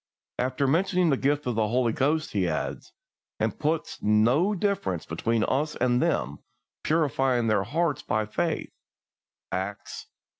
After mentioning the gift of the Holy Ghost, he adds, "and put no difference between us and them, purifying their hearts by faith" (Acts xv.